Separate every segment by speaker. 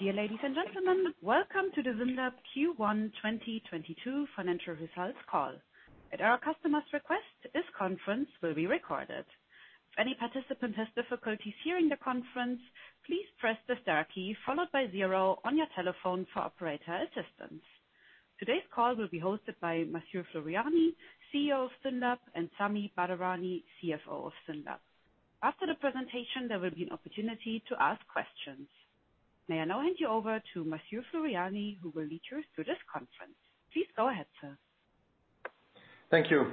Speaker 1: Dear ladies and gentlemen, welcome to the SYNLAB Q1 2022 Financial Results Call. At our customer's request, this conference will be recorded. If any participant has difficulties hearing the conference, please press the star key followed by zero on your telephone for operator assistance. Today's call will be hosted by Mathieu Floreani, CEO of SYNLAB, and Sami Badarani, CFO of SYNLAB. After the presentation, there will be an opportunity to ask questions. May I now hand you over to Mathieu Floreani, who will lead you through this conference. Please go ahead, sir.
Speaker 2: Thank you.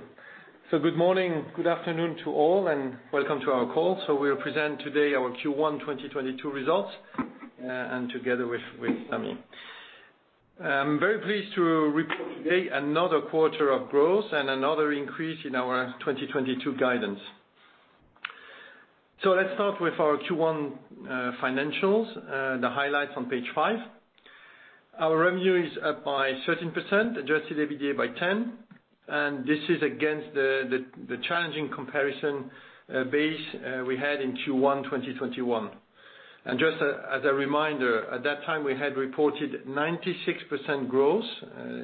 Speaker 2: Good morning, good afternoon to all, and welcome to our call. We'll present today our Q1 2022 results, and together with Sammy. I'm very pleased to report today another quarter of growth and another increase in our 2022 guidance. Let's start with our Q1 financials, the highlights on page five. Our revenue is up by 13%, adjusted EBITDA by 10%, and this is against the challenging comparison base we had in Q1 2021. Just as a reminder, at that time, we had reported 96% growth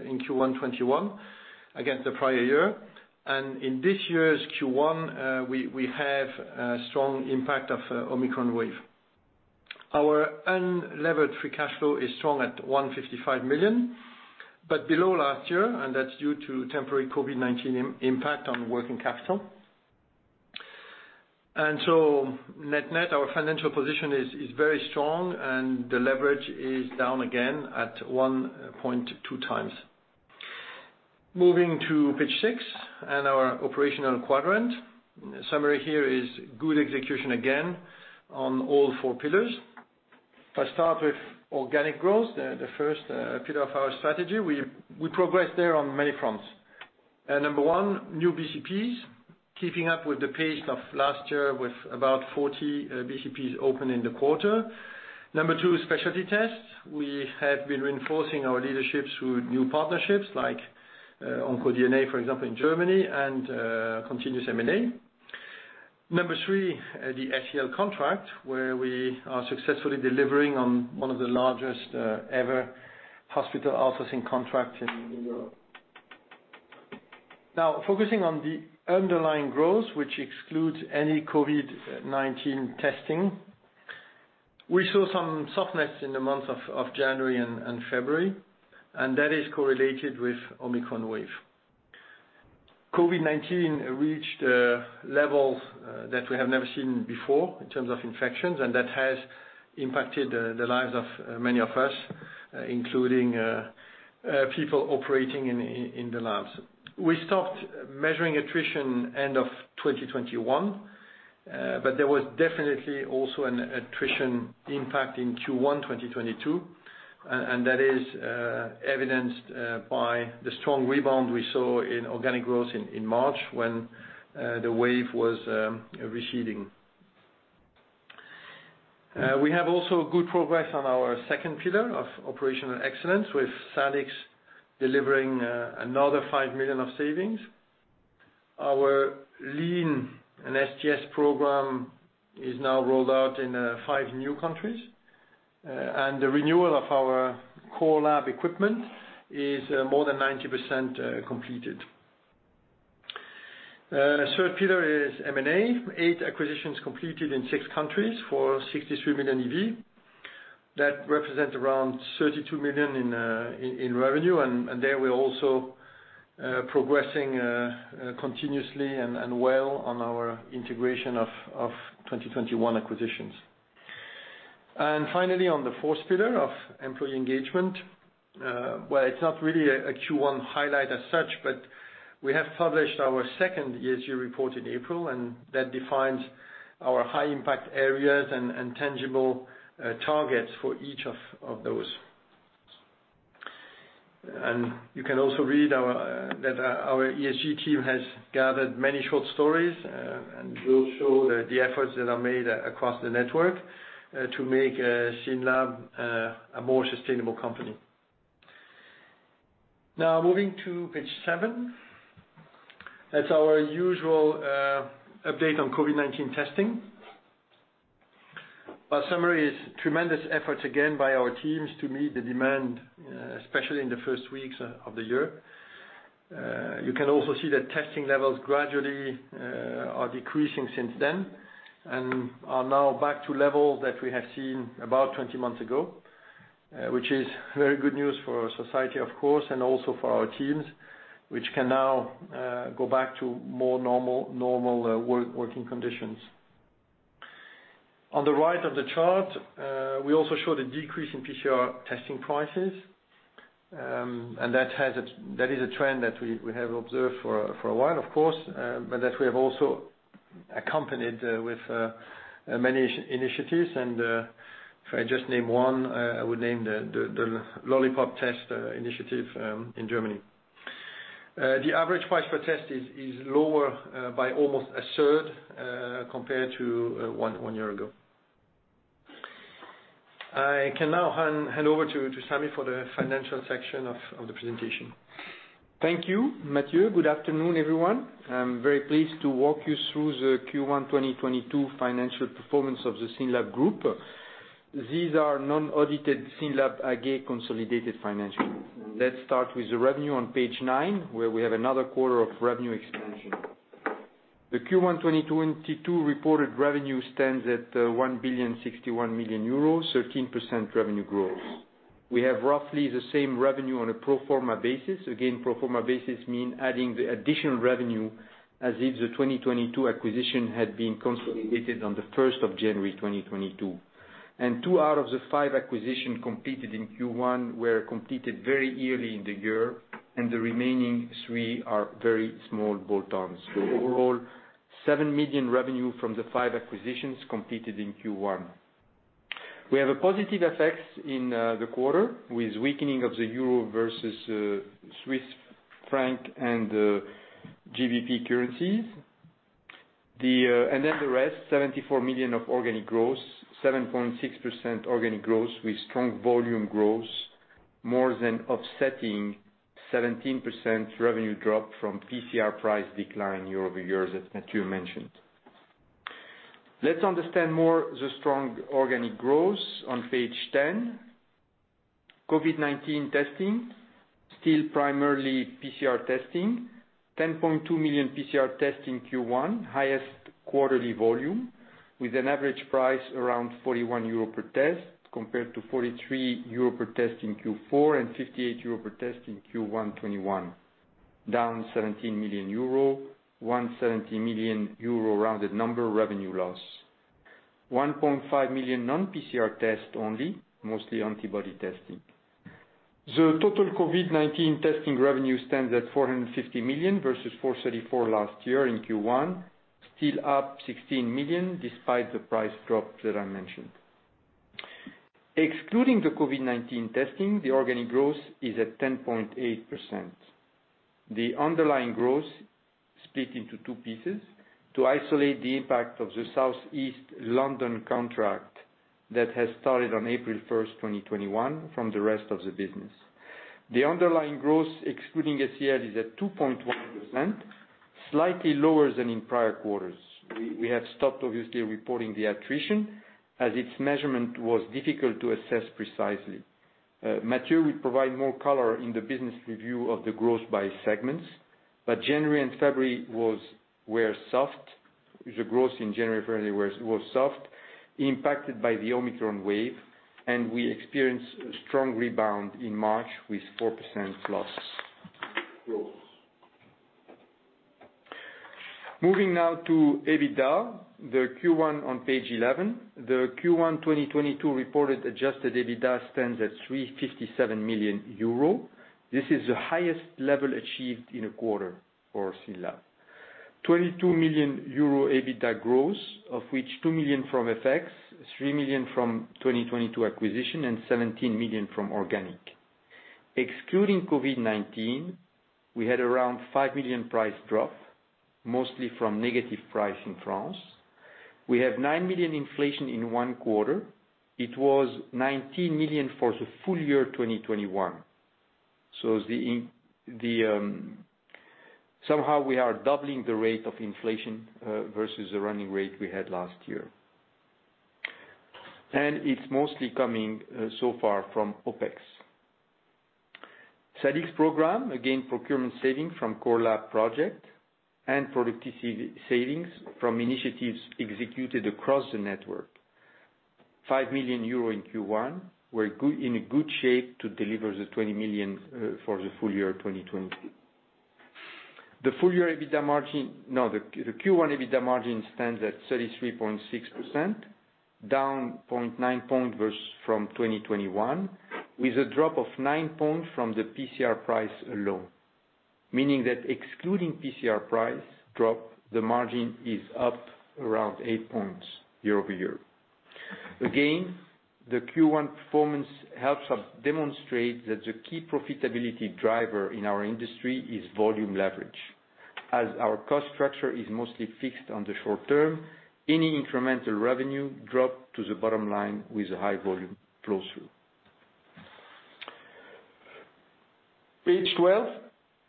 Speaker 2: in Q1 2021 against the prior year. In this year's Q1, we have a strong impact of Omicron wave. Our unlevered free cash flow is strong at 155 million, but below last year, and that's due to temporary COVID-19 impact on working capital. Net net, our financial position is very strong, and the leverage is down again at 1.2 times. Moving to page six and our operational quadrant. Summary here is good execution again on all four pillars. If I start with organic growth, the first pillar of our strategy, we progressed there on many fronts. Number one, new BCPs, keeping up with the pace of last year with about 40 BCPs open in the quarter. Number two, specialty tests. We have been reinforcing our leadership through new partnerships like OncoDNA, for example, in Germany, and continuous M&A. Number three, the SEL contract, where we are successfully delivering on one of the largest ever hospital outsourcing contract in Europe. Now, focusing on the underlying growth, which excludes any COVID-19 testing. We saw some softness in the months of January and February, and that is correlated with Omicron wave. COVID-19 reached levels that we have never seen before in terms of infections, and that has impacted the lives of many of us, including people operating in the labs. We stopped measuring attrition end of 2021, but there was definitely also an attrition impact in Q1 2022, and that is evidenced by the strong rebound we saw in organic growth in March when the wave was receding. We have also good progress on our second pillar of operational excellence with SADics delivering another 5 million of savings. Our Lean and SGS program is now rolled out in five new countries. The renewal of our core lab equipment is more than 90% completed. Third pillar is M&A. 8 acquisitions completed in 6 countries for 63 million EV. That represent around 32 million in revenue and there we're also progressing continuously and well on our integration of 2021 acquisitions. Finally, on the fourth pillar of employee engagement, well, it's not really a Q1 highlight as such, but we have published our second ESG report in April, and that defines our high impact areas and tangible targets for each of those. You can also read that our ESG team has gathered many short stories, and we'll show the efforts that are made across the network to make SYNLAB a more sustainable company. Now moving to page seven. That's our usual update on COVID-19 testing. Our summary is tremendous efforts again by our teams to meet the demand, especially in the first weeks of the year. You can also see that testing levels gradually are decreasing since then and are now back to levels that we have seen about 20 months ago, which is very good news for society of course, and also for our teams, which can now go back to more normal working conditions. On the right of the chart, we also show the decrease in PCR testing prices. That is a trend that we have observed for a while of course, but that we have also accompanied with many initiatives and, if I just name one, I would name the lollipop test initiative in Germany. The average price per test is lower by almost a third compared to one year ago. I can now hand over to Sammy for the financial section of the presentation.
Speaker 3: Thank you, Mathieu. Good afternoon, everyone. I'm very pleased to walk you through the Q1 2022 financial performance of the SYNLAB group. These are non-audited SYNLAB AG consolidated financials. Let's start with the revenue on page nine, where we have another quarter of revenue expansion. The Q1 2022 reported revenue stands at 1,061 million euros, 13% revenue growth. We have roughly the same revenue on a pro forma basis. Again, pro forma basis mean adding the additional revenue as if the 2022 acquisition had been consolidated on January 1, 2022. Two out of the 5 acquisition completed in Q1 were completed very early in the year, and the remaining three are very small bolt-ons. Overall, 7 million revenue from the 5 acquisitions completed in Q1. We have positive effects in the quarter with weakening of the euro versus Swiss franc and GBP currencies. The rest, 74 million of organic growth, 7.6% organic growth with strong volume growth, more than offsetting 17% revenue drop from PCR price decline year-over-year, as Mathieu mentioned. Let's understand more the strong organic growth on page 10. COVID-19 testing, still primarily PCR testing. 10.2 million PCR tests in Q1, highest quarterly volume, with an average price around 41 euro per test, compared to 43 euro per test in Q4 and 58 euro per test in Q1 2021. Down 17 million euro, 170 million euro rounded number revenue loss. 1.5 million non-PCR tests only, mostly antibody testing. The total COVID-19 testing revenue stands at 450 million versus 434 million last year in Q1, still up 16 million despite the price drop that I mentioned. Excluding the COVID-19 testing, the organic growth is at 10.8%. The underlying growth split into two pieces to isolate the impact of the South East London contract that has started on April 1, 2021, from the rest of the business. The underlying growth, excluding SEL, is at 2.1%, slightly lower than in prior quarters. We have stopped, obviously, reporting the attrition as its measurement was difficult to assess precisely. Mathieu will provide more color in the business review of the growth by segments, but January and February were soft. The growth in January, February was soft, impacted by the Omicron wave, and we experienced a strong rebound in March with 4% growth. Moving now to EBITDA, the Q1 on page 11. The Q1 2022 reported adjusted EBITDA stands at 357 million euro. This is the highest level achieved in a quarter for SYNLAB. 22 million euro EBITDA growth, of which 2 million from FX, 3 million from 2022 acquisition, and 17 million from organic. Excluding COVID-19, we had around 5 million price drop, mostly from negative price in France. We have 9 million inflation in one quarter. It was 19 million for the full year 2021. The somehow we are doubling the rate of inflation versus the running rate we had last year. It's mostly coming so far from OpEx. Excellence program, again, procurement savings from core lab project and productivity savings from initiatives executed across the network. 5 million euro in Q1. We're in a good shape to deliver the 20 million for the full year 2022. The Q1 EBITDA margin stands at 33.6%, down 0.9 points versus 2021, with a drop of 9 points from the PCR price alone. Meaning that excluding PCR price drop, the margin is up around 8 points year over year. The Q1 performance helps us demonstrate that the key profitability driver in our industry is volume leverage. As our cost structure is mostly fixed on the short term, any incremental revenue drop to the bottom line with a high volume flow through. Page 12,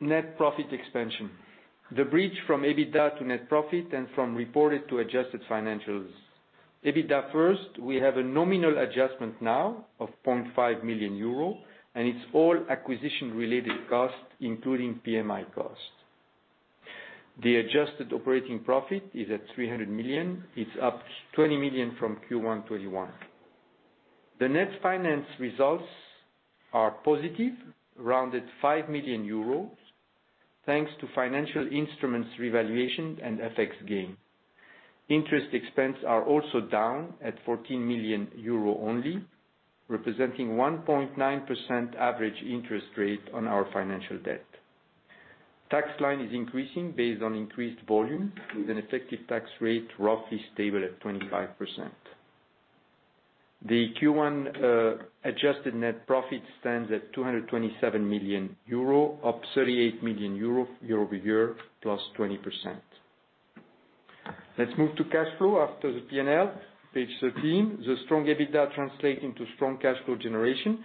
Speaker 3: net profit expansion. The bridge from EBITDA to net profit and from reported to adjusted financials. EBITDA first, we have a nominal adjustment now of 0.5 million euro, and it's all acquisition-related costs, including PMI costs. The adjusted operating profit is at 300 million. It's up 20 million from Q1 2021. The net finance results are positive, rounded 5 million euros, thanks to financial instruments revaluation and FX gain. Interest expense are also down at 14 million euro only, representing 1.9% average interest rate on our financial debt. Tax line is increasing based on increased volume, with an effective tax rate roughly stable at 25%. The Q1 adjusted net profit stands at 227 million euro, up 38 million euro year-over-year, +20%. Let's move to cash flow after the P&L, page 13. The strong EBITDA translating to strong cash flow generation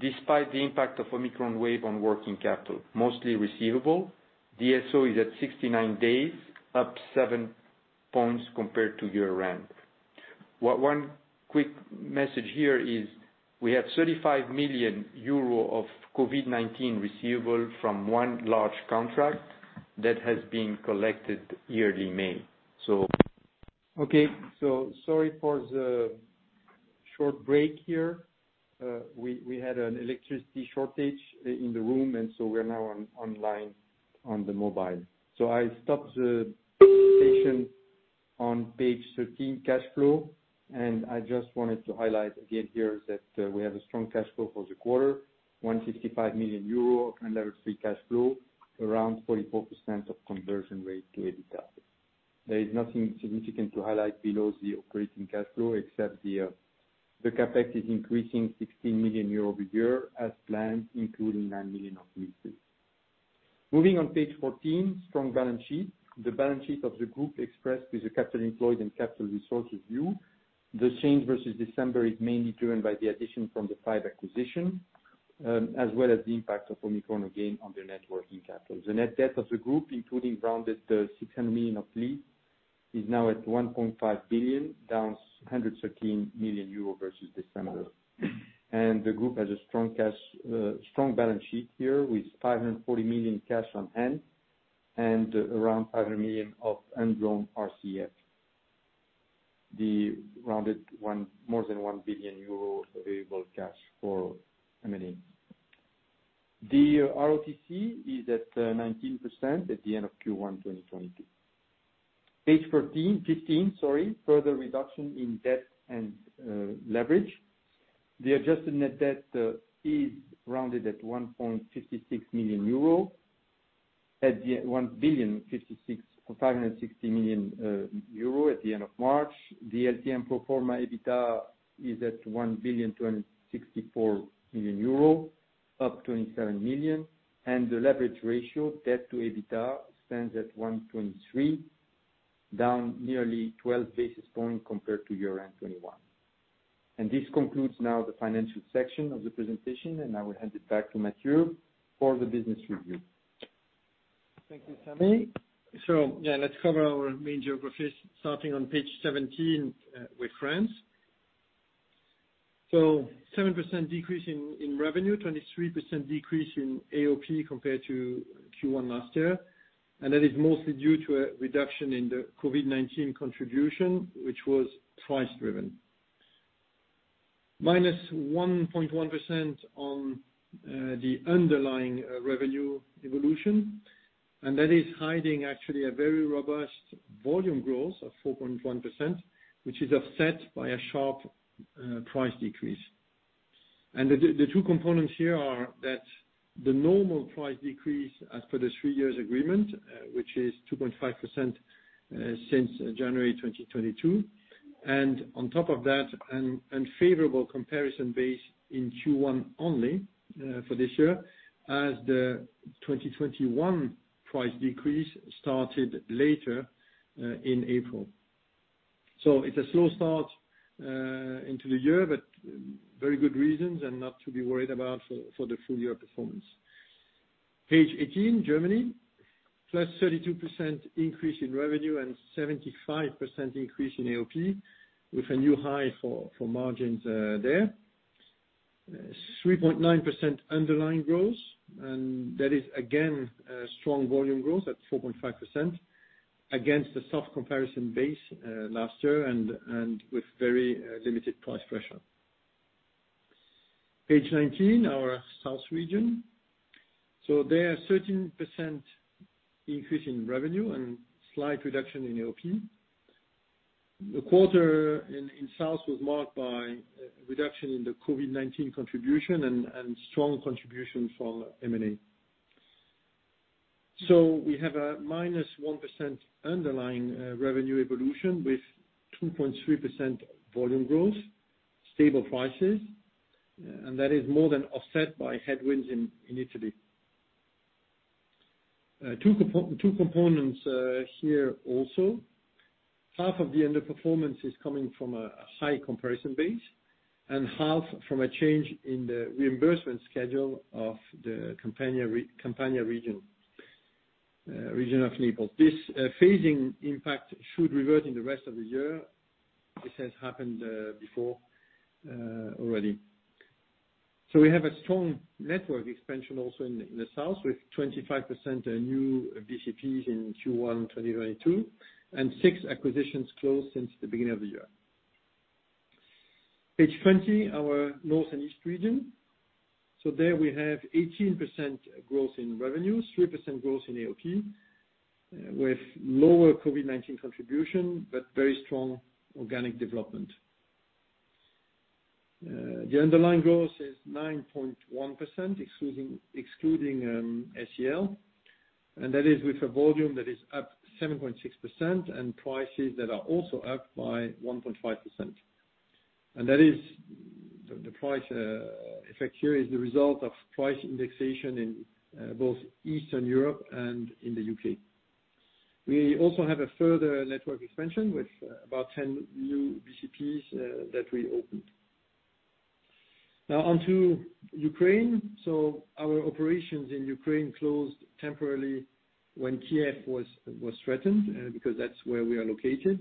Speaker 3: despite the impact of Omicron wave on working capital, mostly receivables. DSO is at 69 days, up 7 points compared to year-end. One quick message here is we have 35 million euro of COVID-19 receivables from one large contract that has been collected here in May. Okay, sorry for the short break here. We had an electricity shortage in the room, and we're now online on the mobile. I stopped the presentation on page 13, cash flow. I just wanted to highlight again here that we have a strong cash flow for the quarter, 155 million euro and level three cash flow, around 44% of conversion rate to EBITDA. There is nothing significant to highlight below the operating cash flow, except the CapEx is increasing 16 million euros per year as planned, including 9 million of leases. Moving on page 14, strong balance sheet. The balance sheet of the group expressed with the capital employed and capital resources view. The change versus December is mainly driven by the addition from the five acquisition, as well as the impact of Omicron again, on their net working capital. The net debt of the group, including rounded 600 million of lease, is now at 1.5 billion, down 113 million euro versus December. The group has a strong cash, strong balance sheet here with 540 million cash on hand and around 500 million of undrawn RCF. More than 1 billion euro available cash for M&A. The ROTC is at 19% at the end of Q1 2022. Page 14—15, sorry. Further reduction in debt and leverage. The adjusted net debt is rounded at 156 million euro. At the 1.56 billion at the end of March. The LTM pro forma EBITDA is at 1.264 billion, up 27 million. The leverage ratio, debt to EBITDA, stands at 1.23, down nearly 12 basis points compared to year end 2021. This concludes now the financial section of the presentation, and I will hand it back to Mathieu for the business review.
Speaker 2: Thank you, Sammy. Yeah, let's cover our main geographies, starting on page 17, with France. Seven percent decrease in revenue, 23% decrease in AOP compared to Q1 last year. That is mostly due to a reduction in the COVID-19 contribution, which was price driven. Minus 1.1% on the underlying revenue evolution, and that is hiding actually a very robust volume growth of 4.1%, which is offset by a sharp price decrease. The two components here are that the normal price decrease as per the three years agreement, which is 2.5%, since January 2022. On top of that, an unfavorable comparison base in Q1 only, for this year as the 2021 price decrease started later, in April. It's a slow start into the year, but very good reasons and not to be worried about for the full year performance. Page 18, Germany. Plus 32% increase in revenue and 75% increase in AOP with a new high for margins there. 3.9% underlying growth, and that is again a strong volume growth at 4.5% against the soft comparison base last year and with very limited price pressure. Page 19, our South region. There are 13% increase in revenue and slight reduction in AOP. The quarter in South was marked by a reduction in the COVID-19 contribution and strong contribution from M&A. We have a -1% underlying revenue evolution with 2.3% volume growth, stable prices, and that is more than offset by headwinds in Italy. Two components here also. Half of the underperformance is coming from a high comparison base and half from a change in the reimbursement schedule of the Campania region of Naples. This phasing impact should revert in the rest of the year. This has happened before already. We have a strong network expansion also in the South, with 25% new BCPs in Q1 2022, and six acquisitions closed since the beginning of the year. Page 20, our North and East region. There we have 18% growth in revenues, 3% growth in AOP, with lower COVID-19 contribution, but very strong organic development. The underlying growth is 9.1%, excluding SEL. That is with a volume that is up 7.6% and prices that are also up by 1.5%. That is the price effect here is the result of price indexation in both Eastern Europe and in the UK. We also have a further network expansion with about 10 new BCPs that we opened. Now onto Ukraine. Our operations in Ukraine closed temporarily when Kiev was threatened because that's where we are located.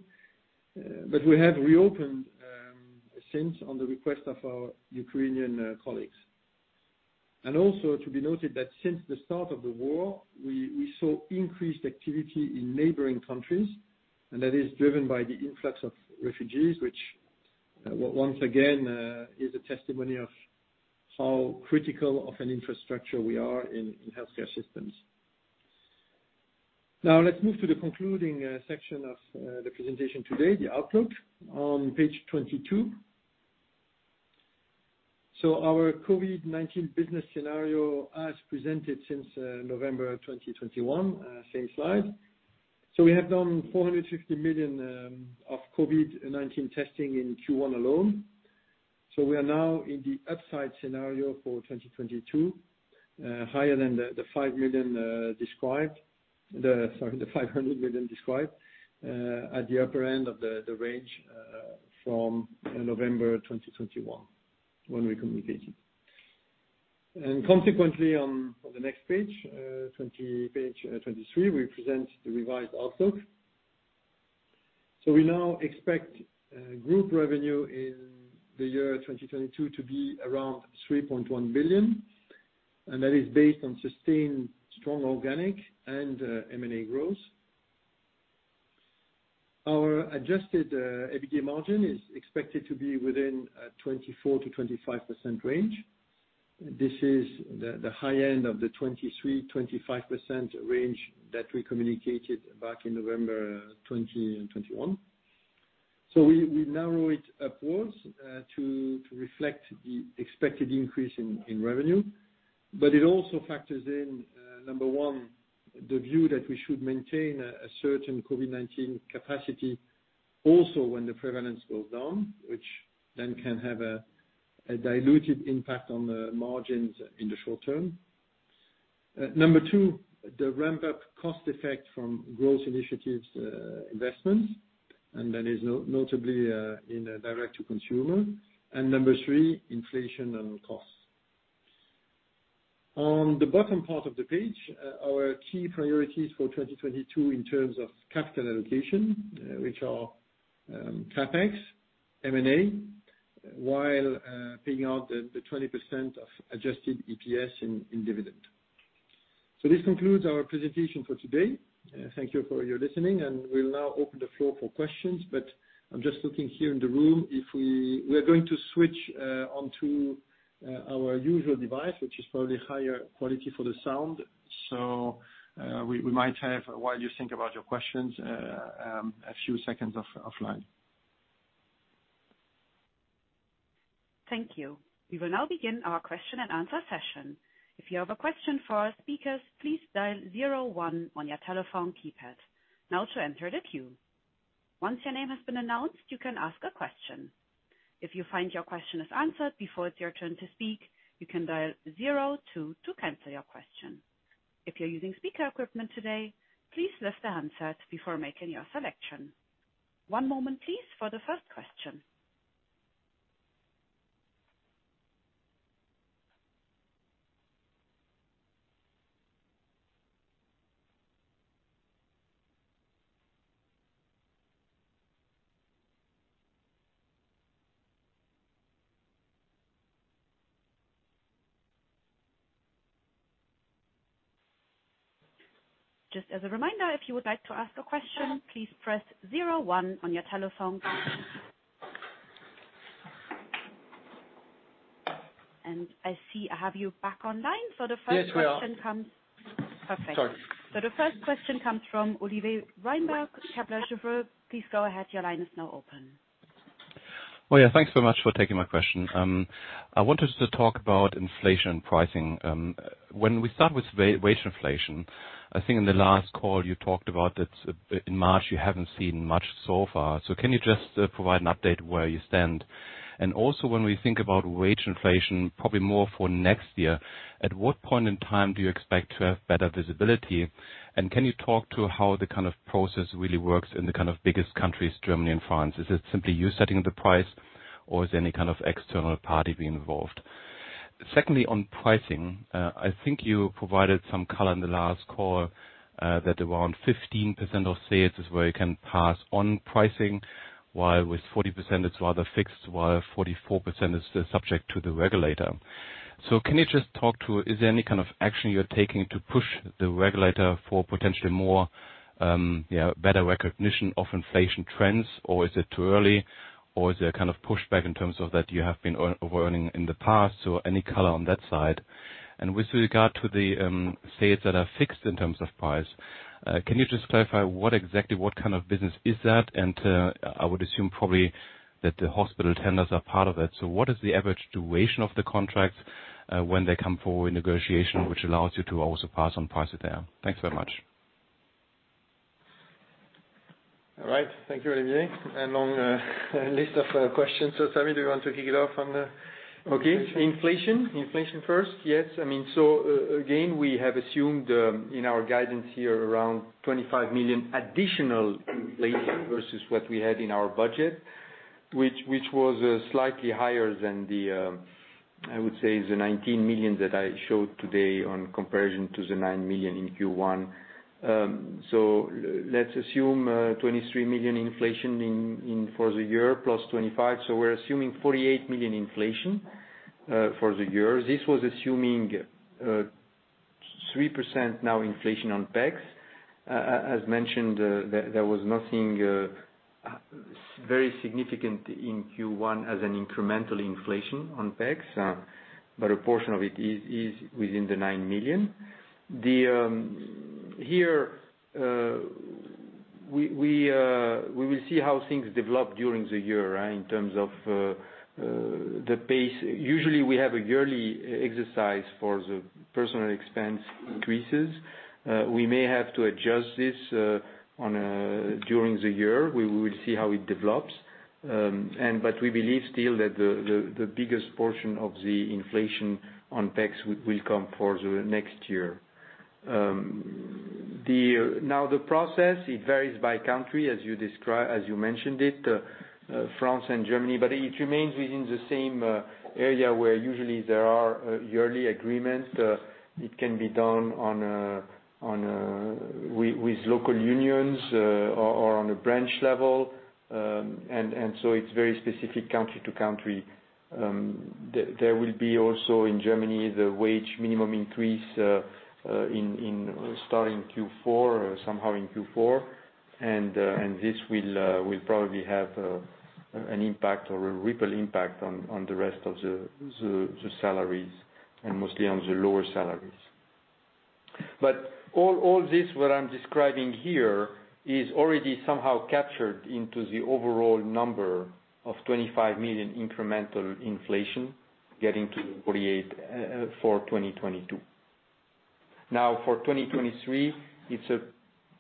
Speaker 2: But we have reopened since on the request of our Ukrainian colleagues. Also to be noted that since the start of the war, we saw increased activity in neighboring countries, and that is driven by the influx of refugees, which once again is a testimony of how critical of an infrastructure we are in healthcare systems. Now let's move to the concluding section of the presentation today, the outlook on page 22. Our COVID-19 business scenario, as presented since November of 2021. Same slide. We have done 450 million of COVID-19 testing in Q1 alone, so we are now in the upside scenario for 2022, higher than the five million described. Sorry, the 500 million described at the upper end of the range from November of 2021 when we communicated. Consequently, on the next page twenty-three, we present the revised outlook. We now expect group revenue in the year 2022 to be around 3.1 billion, and that is based on sustained strong organic and M&A growth. Our adjusted EBITDA margin is expected to be within a 24%-25% range. This is the high end of the 23%-25% range that we communicated back in November 2021. We narrow it upwards to reflect the expected increase in revenue, but it also factors in number one, the view that we should maintain a certain COVID-19 capacity also when the prevalence goes down, which then can have a diluted impact on the margins in the short term. Number two, the ramp-up cost effect from growth initiatives, investments, and that is notably in direct to consumer. Number three, inflation and costs. On the bottom part of the page, our key priorities for 2022 in terms of capital allocation, which are CapEx, M&A, while paying out the 20% of adjusted EPS in dividend. This concludes our presentation for today. Thank you for listening, and we'll now open the floor for questions. I'm just looking here in the room. We're going to switch onto our usual device, which is probably higher quality for the sound. We might have, while you think about your questions, a few seconds of line.
Speaker 1: Thank you. We will now begin our question and answer session. If you have a question for our speakers, please dial zero one on your telephone keypad now to enter the queue. Once your name has been announced, you can ask a question. If you find your question is answered before it's your turn to speak, you can dial zero two to cancel your question. If you're using speaker equipment today, please lift the handset before making your selection. Just as a reminder, if you would like to ask a question, please press zero one on your telephone. I see I have you back online, so the first question comes.
Speaker 2: Yes, we are.
Speaker 1: Perfect.
Speaker 2: Sorry.
Speaker 1: The first question comes from Oliver Wynberg, Chelsey Group. Please go ahead. Your line is now open.
Speaker 4: Oh, yeah, thanks so much for taking my question. I wanted to talk about inflation pricing. When we start with wage inflation, I think in the last call you talked about that, in March, you haven't seen much so far. Can you just provide an update where you stand? Also when we think about wage inflation, probably more for next year, at what point in time do you expect to have better visibility? Can you talk to how the kind of process really works in the kind of biggest countries, Germany and France? Is it simply you setting the price or is any kind of external party being involved? Secondly, on pricing, I think you provided some color in the last call, that around 15% of sales is where you can pass on pricing, while with 40% it's rather fixed, while 44% is still subject to the regulator. Can you just talk to is there any kind of action you're taking to push the regulator for potentially more, better recognition of inflation trends? Or is it too early? Or is there kind of pushback in terms of that you have been earning in the past? Any color on that side. With regard to the sales that are fixed in terms of price, can you just clarify what exactly, what kind of business is that? I would assume probably that the hospital tenders are part of it. What is the average duration of the contracts, when they come forward in negotiation, which allows you to also pass on price there? Thanks very much.
Speaker 2: All right. Thank you, Olivier. A long list of questions. Sammy, do you want to kick it off on the-Inflation. Inflation first. Yes. I mean, again, we have assumed in our guidance here around 25 million additional labor versus what we had in our budget, which was slightly higher than the, I would say the 19 million that I showed today in comparison to the 9 million in Q1. So let's assume 23 million inflation in for the year plus 25. So we're assuming 48 million inflation for the year. This was assuming 3% nominal inflation on PCE. As mentioned, there was nothing very significant in Q1 as an incremental inflation on PCE, but a portion of it is within the 9 million. Here, we will see how things develop during the year, right, in terms of the pace.
Speaker 3: Usually, we have a yearly exercise for the personnel expense increases. We may have to adjust this during the year. We will see how it develops. We believe still that the biggest portion of the inflation on PCE will come for the next year. The process, it varies by country as you mentioned it, France and Germany, but it remains within the same area where usually there are yearly agreements. It can be done with local unions, or on a branch level. It's very specific country to country. There will be also in Germany the minimum wage increase starting Q4, somehow in Q4. This will probably have an impact or a ripple impact on the rest of the salaries and mostly on the lower salaries. All this, what I'm describing here is already somehow captured into the overall number of 25 million incremental inflation getting to 48 million for 2022. For 2023, it's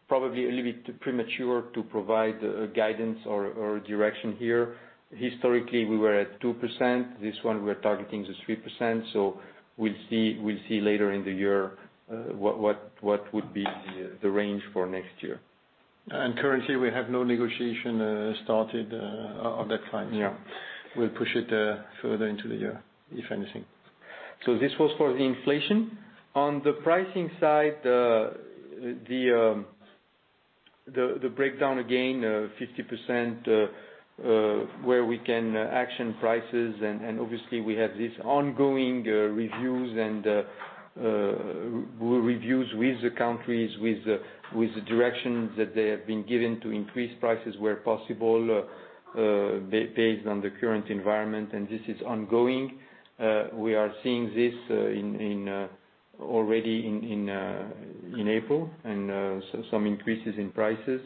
Speaker 3: probably a little bit premature to provide guidance or direction here. Historically, we were at 2%. This one, we're targeting the 3%. We'll see later in the year what would be the range for next year.
Speaker 2: Currently, we have no negotiation started of that kind.
Speaker 3: Yeah.
Speaker 2: We'll push it further into the year, if anything.
Speaker 3: This was for the inflation. On the pricing side, the breakdown again, 50%, where we can action prices and obviously we have this ongoing reviews with the countries with the directions that they have been given to increase prices where possible, based on the current environment, and this is ongoing. We are seeing this already in April and so some increases in prices.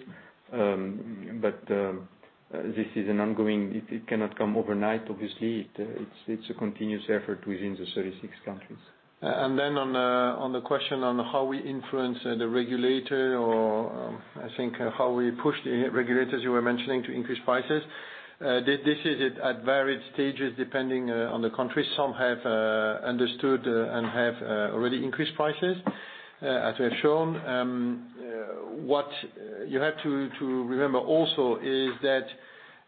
Speaker 3: This is an ongoing. It cannot come overnight, obviously. It's a continuous effort within the 36 countries.
Speaker 2: On the question on how we influence the regulator or I think how we push the regulators you were mentioning to increase prices. This is at varied stages depending on the country. Some have understood and have already increased prices as we have shown. What you have to remember also is that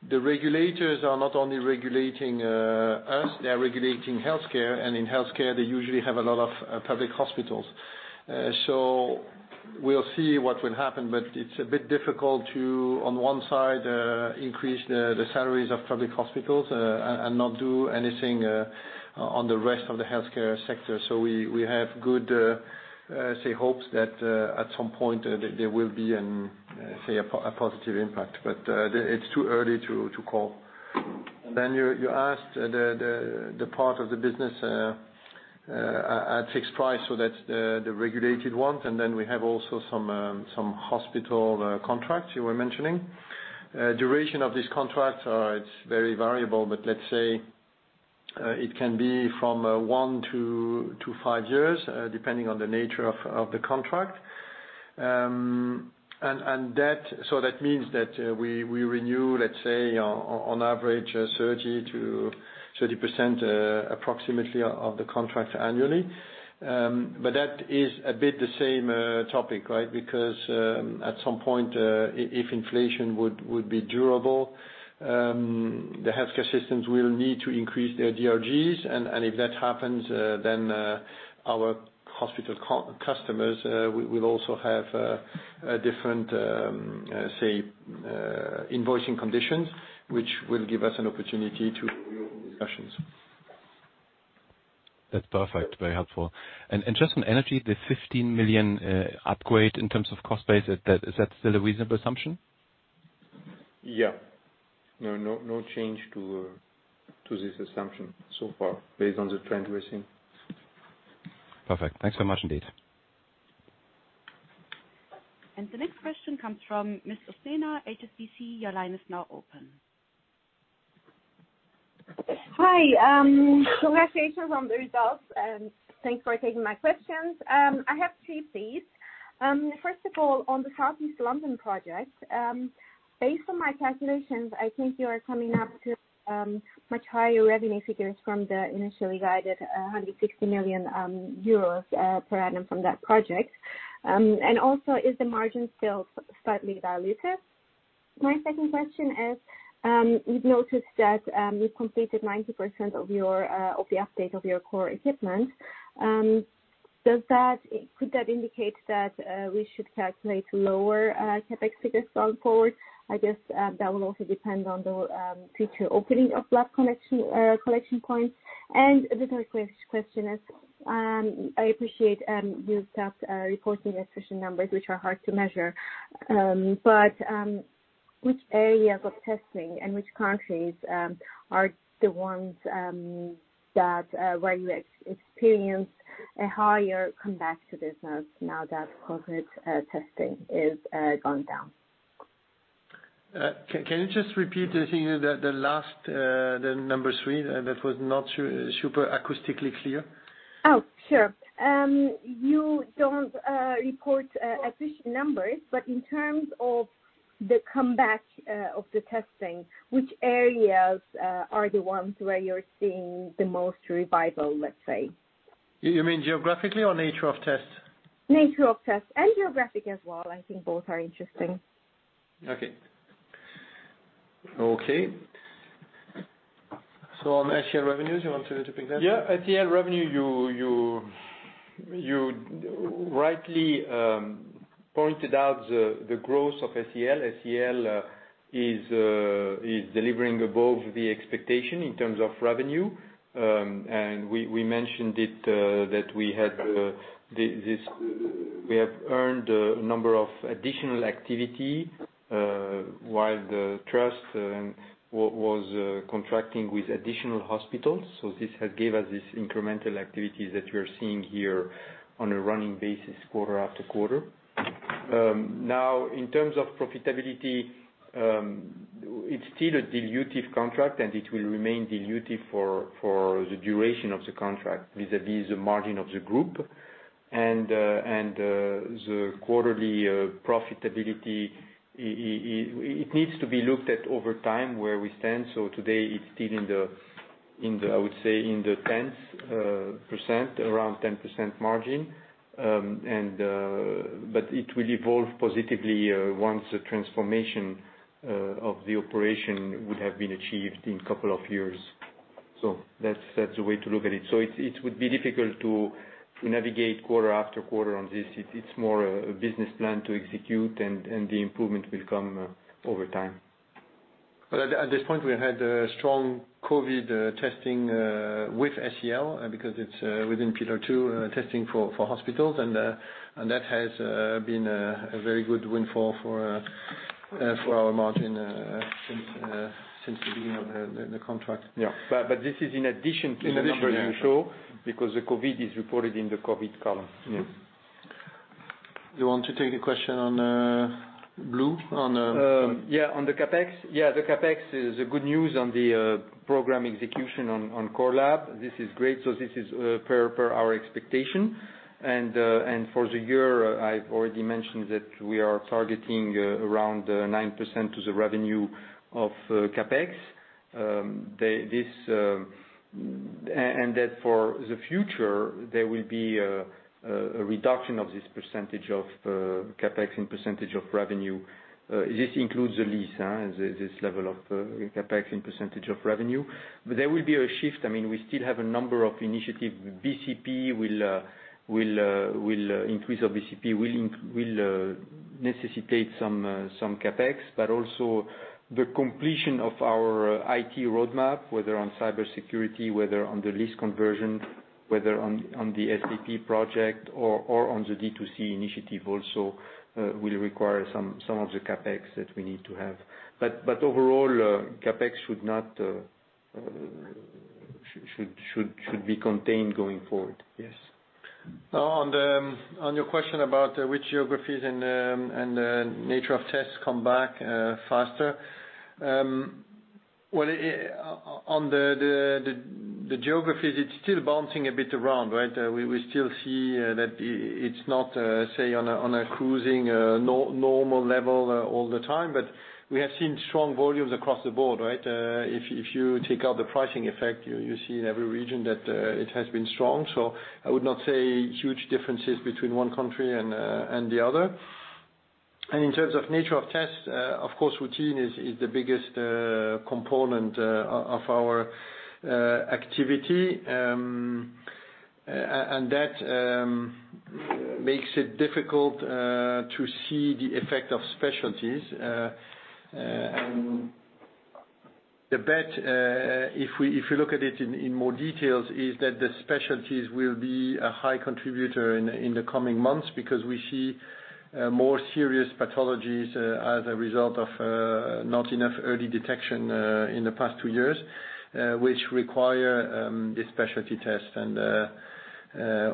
Speaker 2: the regulators are not only regulating us, they're regulating healthcare, and in healthcare, they usually have a lot of public hospitals. We'll see what will happen, but it's a bit difficult to on one side increase the salaries of public hospitals and not do anything on the rest of the healthcare sector. We have good hopes that at some point there will be a positive impact. It's too early to call. Then you asked the part of the business at fixed price, so that's the regulated ones, and then we have also some hospital contracts you were mentioning. Duration of these contracts, it's very variable, but let's say, it can be from 1 to 5 years, depending on the nature of the contract. That means that we renew, let's say, on average, 30%-30% approximately of the contract annually. That is a bit the same topic, right? Because at some point, if inflation would be durable, the healthcare systems will need to increase their DRGs. If that happens, then our hospital customers will also have a different, say, invoicing conditions, which will give us an opportunity to hold discussions.
Speaker 4: That's perfect. Very helpful. Just on energy, the 15 million upgrade in terms of cost base, is that still a reasonable assumption?
Speaker 3: Yeah. No, no change to this assumption so far based on the trend we're seeing.
Speaker 4: Perfect. Thanks so much indeed.
Speaker 1: The next question comes from Miss Osena, HSBC. Your line is now open.
Speaker 5: Hi, congratulations on the results, and thanks for taking my questions. I have two, please. First of all, on the South East London project, based on my calculations, I think you are coming up to much higher revenue figures from the initially guided 160 million euros per annum from that project. Also, is the margin still slightly dilutive? My second question is, we've noticed that you've completed 90% of the update of your core equipment. Could that indicate that we should calculate lower CapEx figures going forward? I guess that will also depend on the future opening of collection points. The third question is, I appreciate you stopped reporting efficiency numbers, which are hard to measure. Which areas of testing and which countries are the ones that where you experience a higher comeback to business now that COVID testing is gone down?
Speaker 3: Can you just repeat the thing, the last number three? That was not super acoustically clear.
Speaker 5: Oh, sure. You don't report sufficient numbers, but in terms of the comeback of the testing, which areas are the ones where you're seeing the most revival, let's say?
Speaker 3: You mean geographically or nature of test?
Speaker 5: Nature of test and geographic as well. I think both are interesting.
Speaker 3: Okay.
Speaker 2: Okay. On LCL revenues, you want to repeat that?
Speaker 3: Yeah. LCL revenue, you rightly pointed out the growth of LCL. LCL is delivering above the expectation in terms of revenue. We mentioned it that we have earned a number of additional activity while the trust was contracting with additional hospitals. This has gave us this incremental activities that we are seeing here on a running basis quarter after quarter. Now, in terms of profitability, it's still a dilutive contract, and it will remain dilutive for the duration of the contract vis-à-vis the margin of the group. The quarterly profitability it needs to be looked at over time where we stand. Today it's still in the. I would say, in the 10%, around 10% margin. It will evolve positively once the transformation of the operations would have been achieved in a couple of years. That's the way to look at it. It would be difficult to navigate quarter after quarter on this. It's more a business plan to execute, and the improvement will come over time.
Speaker 2: At this point, we had a strong COVID testing with LCL because it's within Pillar Two testing for hospitals, and that has been a very good windfall for our margin since the beginning of the contract. This is in addition to the number you show- In addition, yeah.
Speaker 3: Because the COVID is reported in the COVID column.
Speaker 2: Yeah. You want to take a question on blue?
Speaker 3: Yeah. On the CapEx? Yeah, the CapEx is good news on the program execution on core lab. This is great. This is per our expectation. For the year, I've already mentioned that we are targeting around 9% to the revenue of CapEx. That for the future, there will be a reduction of this percentage of CapEx in percentage of revenue. This includes the lease, this level of CapEx in percentage of revenue. There will be a shift. I mean, we still have a number of initiative. BCP will increase our BCP, will necessitate some CapEx. Also the completion of our IT roadmap, whether on cybersecurity, whether on the lease conversion, whether on the SAP project or on the D2C initiative also, will require some of the CapEx that we need to have. Overall, CapEx should not be contained going forward.
Speaker 2: Yes. Now, on your question about which geographies and nature of tests come back faster. Well, on the geographies, it's still bouncing a bit around, right? We still see that it's not say on a cruising normal level all the time. We have seen strong volumes across the board, right? If you take out the pricing effect, you see in every region that it has been strong. I would not say huge differences between one country and the other. In terms of nature of tests, of course, routine is the biggest component of our activity. That makes it difficult to see the effect of specialties. The bet, if we, if you look at it in more details, is that the specialties will be a high contributor in the coming months because we see more serious pathologies as a result of not enough early detection in the past two years, which require the specialty tests.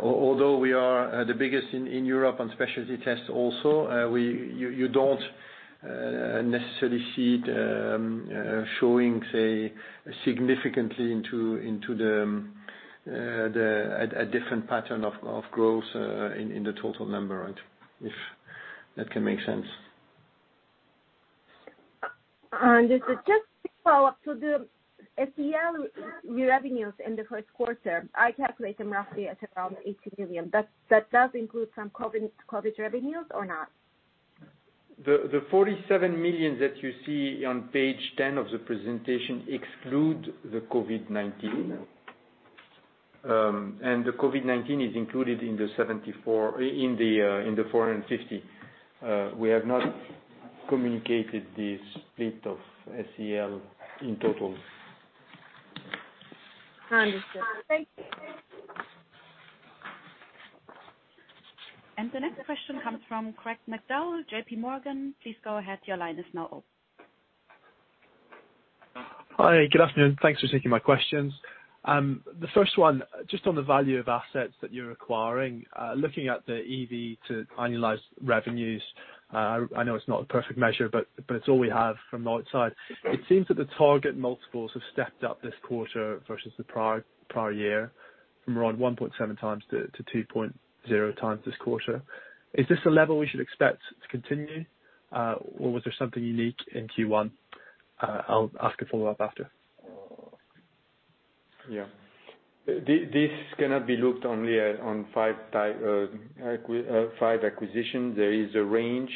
Speaker 3: Although we are the biggest in Europe on specialty tests also, you don't necessarily see the showing, say, significantly into the a different pattern of growth in the total number. If that can make sense.
Speaker 5: Just a quick follow-up. The SEL revenues in the first quarter, I calculate them roughly at around 80 million. That does include some COVID revenues or not?
Speaker 3: The 47 million that you see on page 10 of the presentation exclude the COVID-19. The COVID-19 is included in the 450. We have not communicated the split of SEL in total.
Speaker 5: Understood. Thank you.
Speaker 1: The next question comes from Craig McDowell, JPMorgan, please go ahead. Your line is now open.
Speaker 6: Hi, good afternoon. Thanks for taking my questions. The first one, just on the value of assets that you're acquiring, looking at the EV to annualized revenues, I know it's not a perfect measure, but it's all we have from the outside. It seems that the target multiples have stepped up this quarter versus the prior year from around 1.7x to 2.0x this quarter. Is this a level we should expect to continue, or was there something unique in Q1? I'll ask a follow-up after.
Speaker 3: This cannot be looked only at on five acquisitions. There is a range.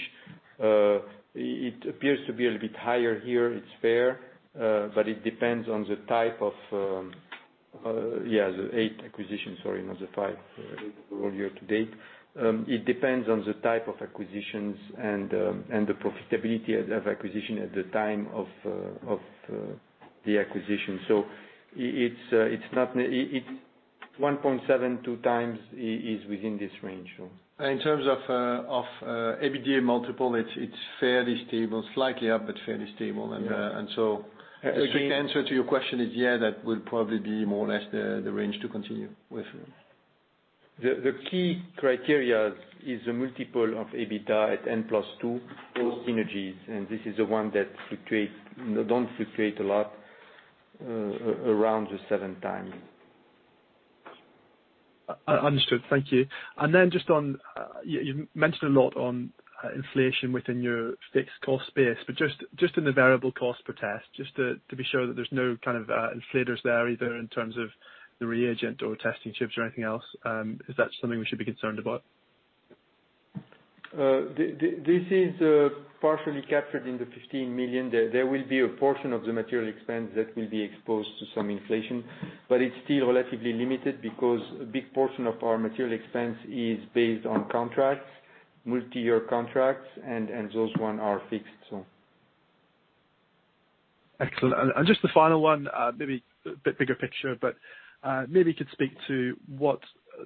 Speaker 3: It appears to be a little bit higher here, it's fair, but it depends on the type of the eight acquisitions, sorry, not the five. Year to date. It depends on the type of acquisitions and the profitability of acquisition at the time of the acquisition. It 1.27 times is within this range.
Speaker 2: In terms of EBITDA multiple, it's fairly stable. Slightly up, but fairly stable.
Speaker 3: Yeah.
Speaker 2: A quick answer to your question is, yeah, that will probably be more or less the range to continue with.
Speaker 3: The key criteria is the multiple of EBITDA at N+2, post synergies, and this is the one that doesn't fluctuate a lot around the 7x.
Speaker 6: Understood. Thank you. Just on, you mentioned a lot on inflation within your fixed cost base, but just in the variable cost per test, just to be sure that there's no kind of inflation there, either in terms of the reagent or testing chips or anything else, is that something we should be concerned about?
Speaker 3: This is partially captured in the 15 million. There will be a portion of the material expense that will be exposed to some inflation, but it's still relatively limited because a big portion of our material expense is based on contracts, multi-year contracts, and those ones are fixed.
Speaker 6: Excellent. Just the final one, maybe a bit bigger picture, but maybe you could speak to what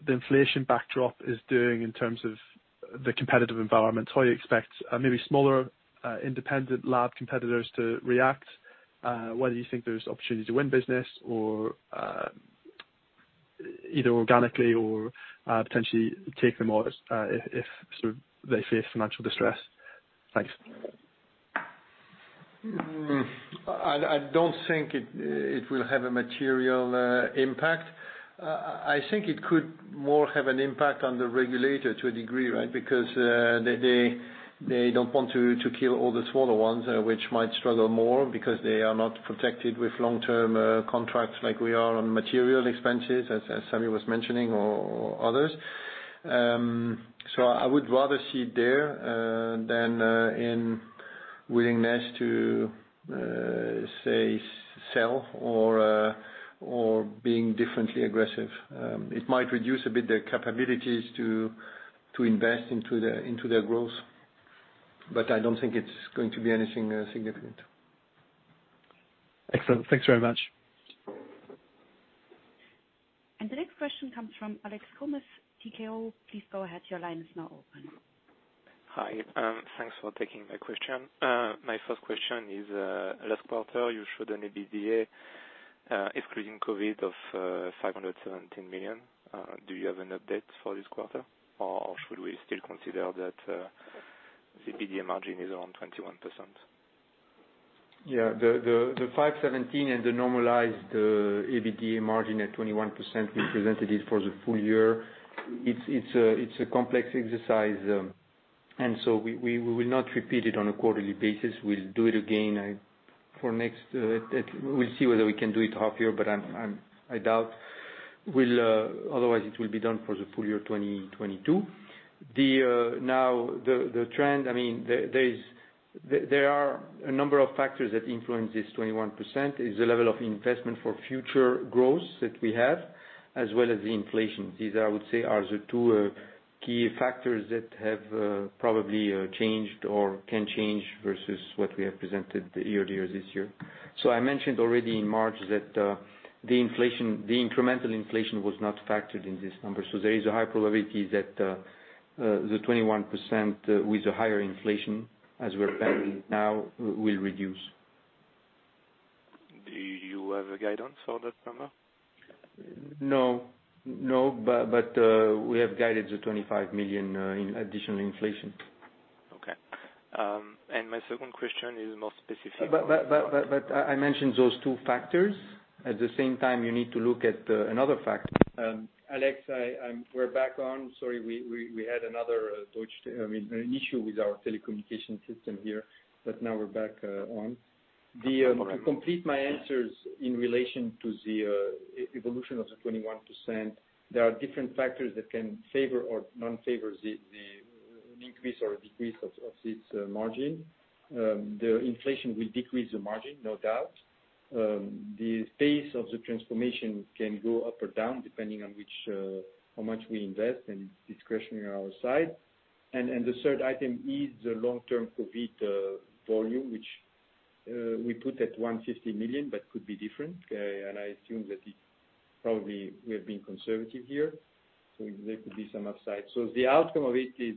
Speaker 6: the inflation backdrop is doing in terms of the competitive environment. How you expect maybe smaller independent lab competitors to react? Whether you think there's opportunity to win business or either organically or potentially take them on if sort of they face financial distress? Thanks.
Speaker 2: I don't think it will have a material impact. I think it could more have an impact on the regulator to a degree, right? Because they don't want to kill all the smaller ones, which might struggle more because they are not protected with long-term contracts like we are on material expenses, as Sammy was mentioning, or others. I would rather see it there than in willingness to say sell or being differently aggressive. It might reduce a bit their capabilities to invest into their growth, but I don't think it's going to be anything significant.
Speaker 6: Excellent. Thanks very much.
Speaker 1: The next question comes from Alex Comas, DKO. Please go ahead, your line is now open.
Speaker 7: Hi, thanks for taking my question. My first question is, last quarter you showed an EBITDA, excluding COVID, of 517 million. Do you have an update for this quarter, or should we still consider that the EBITDA margin is around 21%?
Speaker 3: Yeah, the 517 and the normalized EBITDA margin at 21% we presented it for the full year. It's a complex exercise, and so we will not repeat it on a quarterly basis. We'll do it again. We'll see whether we can do it half year, but I doubt. Otherwise, it will be done for the full year 2022. The trend, I mean, there are a number of factors that influence this 21%. It's the level of investment for future growth that we have, as well as the inflation. These, I would say, are the two key factors that have probably changed or can change versus what we have presented earlier this year. I mentioned already in March that the inflation, the incremental inflation was not factored in this number, so there is a high probability that the 21% with the higher inflation, as we're having now, will reduce.
Speaker 7: Do you have a guidance for that number?
Speaker 3: We have guided the 25 million in additional inflation.
Speaker 7: Okay. My second question is more specific.
Speaker 3: I mentioned those two factors. At the same time, you need to look at another factor. Alex, we're back on. Sorry, we had another issue with our telecommunication system here, but now we're back on.
Speaker 7: No problem.
Speaker 3: To complete my answers in relation to the evolution of the 21%, there are different factors that can favor or disfavor the increase or decrease of this margin. The inflation will decrease the margin, no doubt. The pace of the transformation can go up or down depending on how much we invest, and it's discretionary on our side. The third item is the long-term COVID volume, which we put at 150 million, but could be different, and I assume that probably we have been conservative here, so there could be some upside. The outcome of it is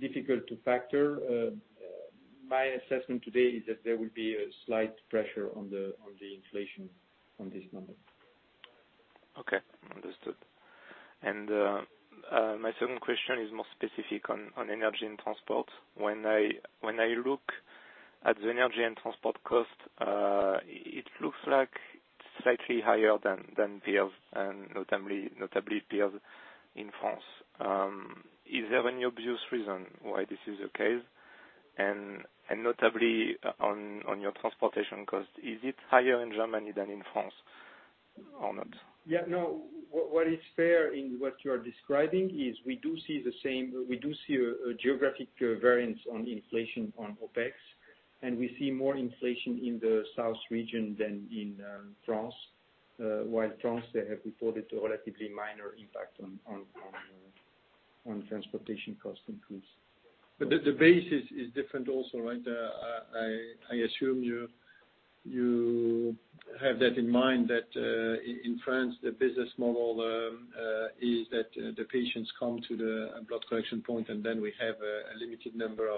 Speaker 3: difficult to factor. My assessment today is that there will be a slight pressure on the inflation on this number.
Speaker 7: Okay, understood. My second question is more specific on energy and transport. When I look at the energy and transport cost, it looks like slightly higher than peers, and notably peers in France. Is there any obvious reason why this is the case? Notably on your transportation cost, is it higher in Germany than in France or not?
Speaker 3: Yeah, no. What is fair in what you are describing is we do see a geographic variance on inflation on OpEx, and we see more inflation in the south region than in France. While France, they have reported a relatively minor impact on transportation cost increase. The base is different also, right? I assume you have that in mind that in France the business model is that the patients come to the blood collection point, and then we have a limited number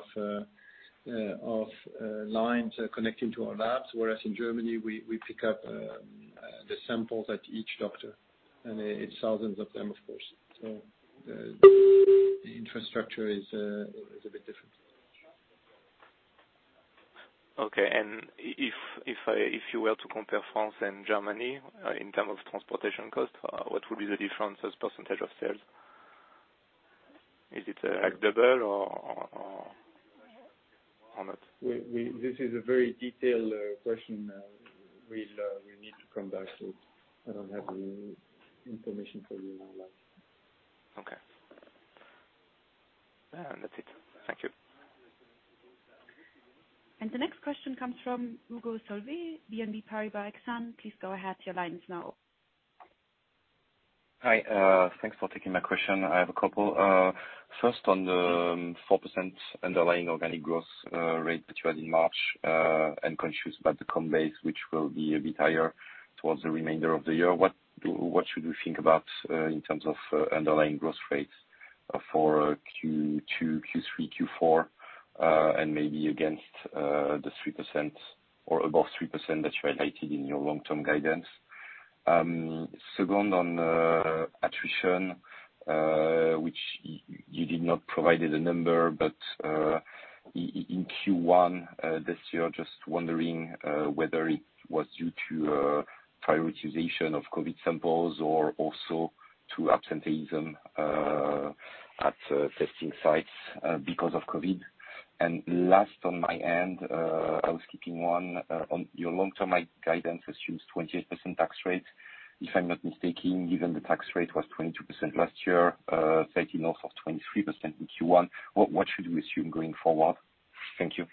Speaker 3: of lines connecting to our labs, whereas in Germany, we pick up the samples at each doctor, and it's thousands of them, of course. The infrastructure is a bit different.
Speaker 7: If you were to compare France and Germany in terms of transportation costs, what would be the difference as a percentage of sales? Is it like double or not?
Speaker 3: This is a very detailed question. We'll need to come back to it. I don't have the information for you now, Alex.
Speaker 7: Okay. That's it. Thank you.
Speaker 1: The next question comes from Hugo Solvet, BNP Paribas Exane. Please go ahead. Your line is now open.
Speaker 8: Hi. Thanks for taking my question. I have a couple. First on the 4% underlying organic growth rate that you had in March, and conscious about the comp base which will be a bit higher towards the remainder of the year, what should we think about in terms of underlying growth rates for Q2, Q3, Q4, and maybe against the 3% or above 3% that you highlighted in your long-term guidance? Second, on attrition, which you did not provide the number, but in Q1 this year, just wondering whether it was due to prioritization of COVID samples or also to absenteeism at testing sites because of COVID. Last on my end, I was keeping an eye on your long-term guidance assumes 28% tax rate, if I'm not mistaken, given the tax rate was 22% last year, 13 north of 23% in Q1. What should we assume going forward? Thank you.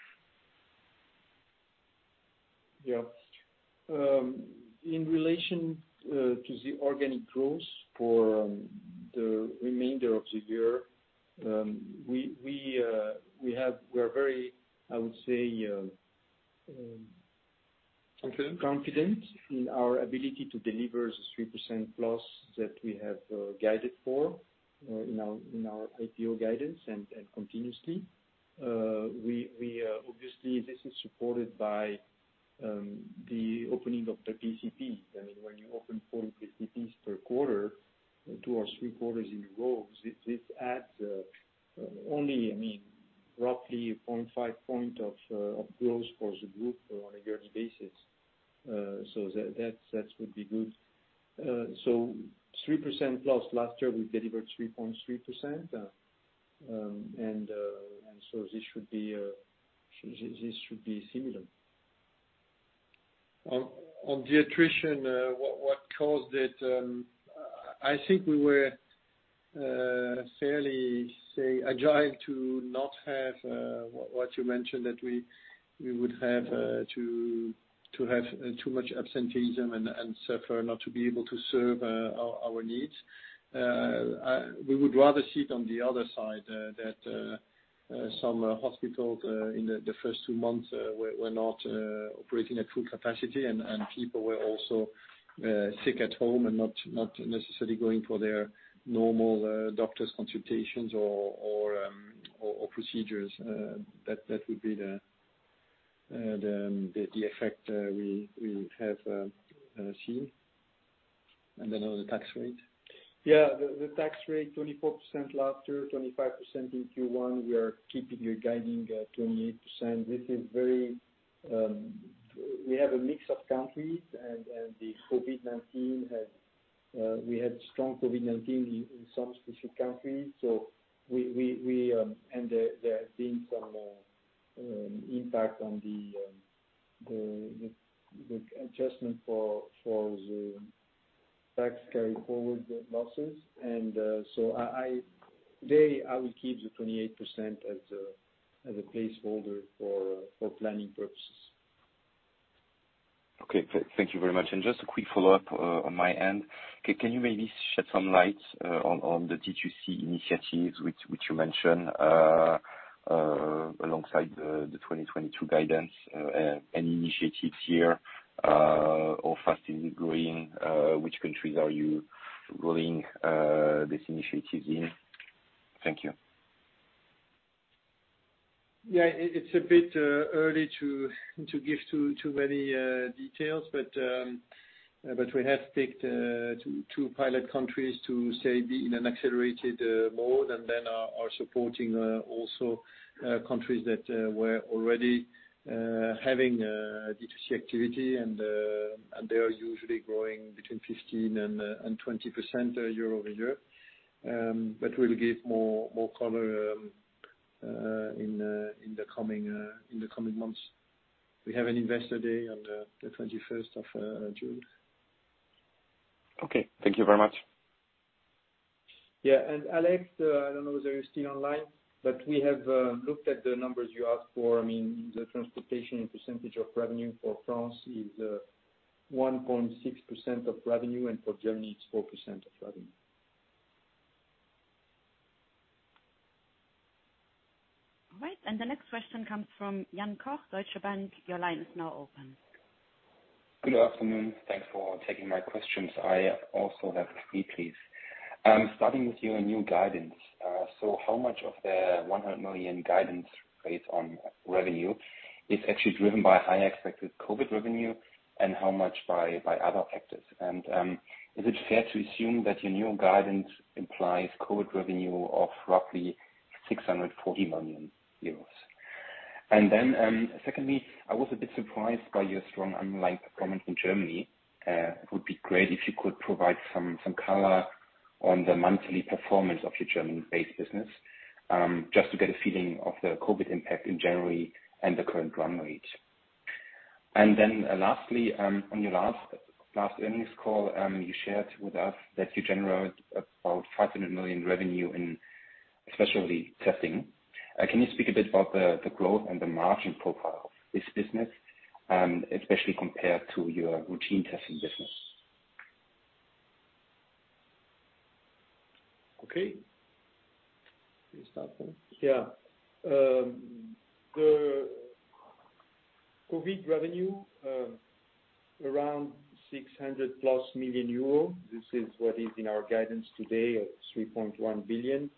Speaker 3: Yeah. In relation to the organic growth for the remainder of the year, we're very, I would say,
Speaker 8: Confident?
Speaker 3: Confident in our ability to deliver the 3%+ that we have guided for in our IPO guidance and continuously. We obviously this is supported by the opening of the BCPs. I mean, when you open 4 BCPs per quarter, 2 or 3 quarters in a row, it adds only, I mean, roughly 0.5 point of growth for the group on a yearly basis. So that would be good. So 3%+. Last year we delivered 3.3%, and so this should be similar. On the attrition, what caused it, I think we were fairly, say, agile to not have what you mentioned that we would have to have too much absenteeism and suffer, not to be able to serve our needs. We would rather sit on the other side that some hospitals in the first two months were not operating at full capacity and people were also sick at home and not necessarily going for their normal doctor's consultations or procedures, that would be the effect we have seen. Then on the tax rate. Yeah. The tax rate 24% last year, 25% in Q1, we are keeping our guidance at 28%. This is very, we have a mix of countries and the COVID-19 has, we had strong COVID-19 in some specific countries, so we and there have been some impact on the adjustment for the tax carry forward losses. So I today I will keep the 28% as a placeholder for planning purposes. Okay. Thank you very much. Just a quick follow-up on my end. Can you maybe shed some light on the D2C initiatives which you mentioned alongside the 2022 guidance, any initiatives here or how fast is it growing? Which countries are you growing this initiatives in? Thank you. Yeah. It's a bit early to give too many details, but we have picked two pilot countries to be in an accelerated mode, and then are supporting also countries that were already having D2C activity. They are usually growing between 15%-20% year-over-year. But we'll give more color in the coming months. We have an investor day on the twenty-first of June. Okay. Thank you very much. Yeah. Alex, I don't know if you're still online, but we have looked at the numbers you asked for. I mean, the transportation and percentage of revenue for France is 1.6% of revenue, and for Germany it's 4% of revenue.
Speaker 1: All right. The next question comes from Jan Koch, Deutsche Bank. Your line is now open.
Speaker 9: Good afternoon. Thanks for taking my questions. I also have three, please. Starting with your new guidance. So how much of the 100 million guidance raise on revenue is actually driven by high expected COVID revenue, and how much by other factors? Is it fair to assume that your new guidance implies COVID revenue of roughly 640 million euros? Then, secondly, I was a bit surprised by your strong underlying performance in Germany. It would be great if you could provide some color on the monthly performance of your German-based business, just to get a feeling of the COVID impact in Germany and the current run rate. Then lastly, on your last earnings call, you shared with us that you generated about 500 million revenue in specialty testing. Can you speak a bit about the growth and the margin profile of this business, especially compared to your routine testing business?
Speaker 3: Okay. Can you start then? Yeah. The COVID revenue, around 600+ million euro. This is what is in our guidance today of 3.1 billion.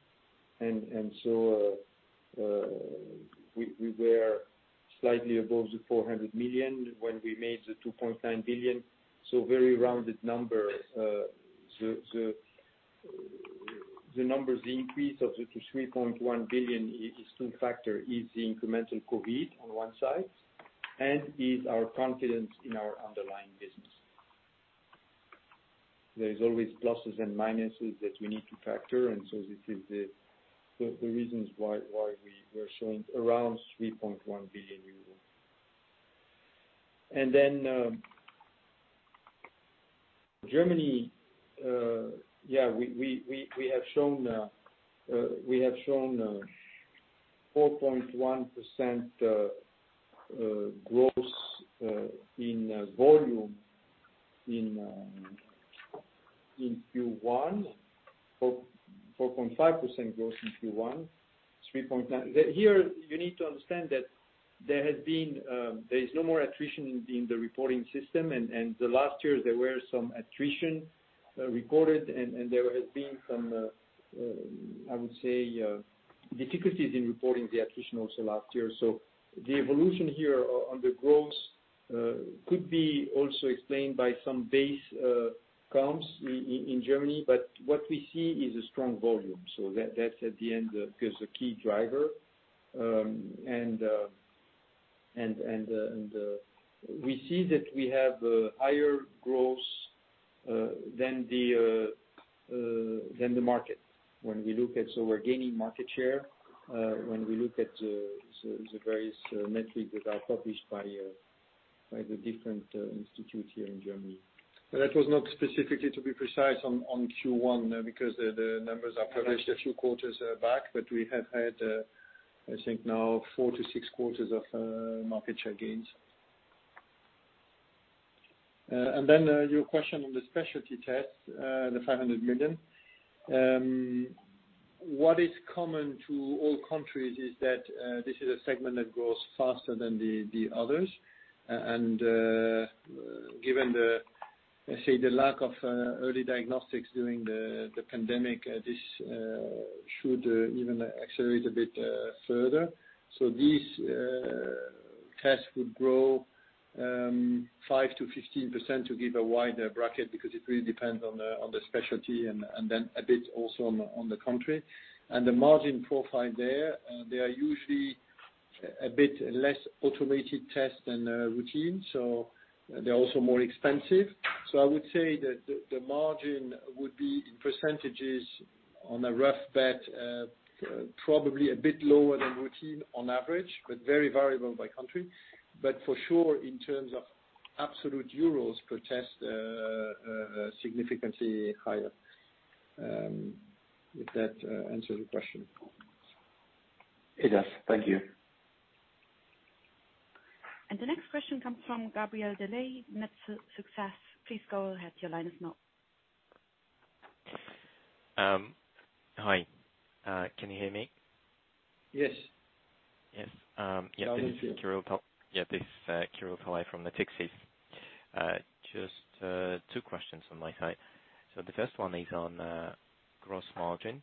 Speaker 3: We were slightly above the 400 million when we made the 2.9 billion, so very rounded number. The numbers increase of the 3.1 billion is two factor, is the incremental COVID on one side, and is our confidence in our underlying business. There's always pluses and minuses that we need to factor. This is the reasons why we're showing around 3.1 billion euro. Germany, yeah, we have shown 4.1% growth in volume in Q1. 4.4% growth in Q1, 3.9%. Here you need to understand that there has been, there is no more attrition in the reporting system. The last year there were some attrition recorded and there has been some difficulties in reporting the attrition also last year. The evolution here on the growth could be also explained by some base comps in Germany. What we see is a strong volume, so that's at the end the key driver. We see that we have a higher growth than the market when we look at. We're gaining market share when we look at the various metrics that are published by the different institutes here in Germany. That was not specifically, to be precise, on Q1 because the numbers are published a few quarters back. We have had, I think, now 4-6 quarters of market share gains. Your question on the specialty test, the 500 million. What is common to all countries is that this is a segment that grows faster than the others. Given the lack of early diagnostics during the pandemic, this should even accelerate a bit further. These tests would grow 5%-15% to give a wider bracket, because it really depends on the specialty and then a bit also on the country. The margin profile there, they are usually a bit less automated test than routine, so they're also more expensive. I would say that the margin would be in percentages on a rough bet, probably a bit lower than routine on average, but very variable by country. For sure, in terms of absolute EUR per test, significantly higher. If that answers your question.
Speaker 9: It does. Thank you.
Speaker 1: The next question comes from Gabriel Delay, Mediobanca. Please go ahead. Your line is open.
Speaker 10: Hi. Can you hear me?
Speaker 3: Yes.
Speaker 10: Yes.
Speaker 3: I can hear you.
Speaker 10: This is Kirill Palay from Mediobanca. Just two questions on my side. The first one is on gross margin.